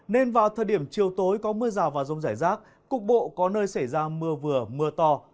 nên vào thời điểm chiều tối có mưa rào và rông rải rác cục bộ có nơi xảy ra mưa vừa mưa to